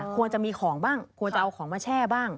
ควรจะมีของบ้างควรจะเอาของมาแช่บ้าง